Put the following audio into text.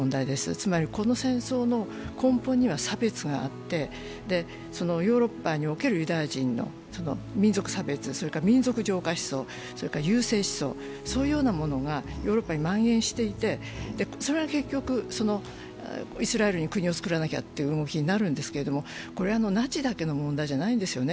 つまりこの戦争の根本には差別があってヨーロッパにおけるユダヤ人の民族差別、それから民族浄化思想、それから優生思想、そういうようなものがヨーロッパにまん延していて、それが結局、イスラエルに国を作らなきゃっていう動きになるんですけど、これはナチだけの問題じゃないんですよね。